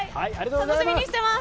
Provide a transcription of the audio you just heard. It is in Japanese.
楽しみにしています。